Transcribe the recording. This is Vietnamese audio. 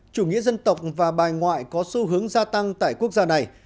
chủ nghĩa dân tộc và bài ngoại có xu hướng gia tăng tại quốc gia này